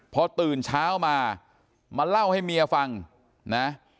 พอตื่นเช้ามามาเล่าให้เมียฟังนะ